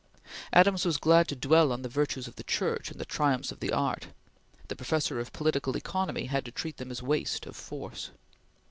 Adams was glad to dwell on the virtues of the Church and the triumphs of its art: the Professor of Political Economy had to treat them as waste of force.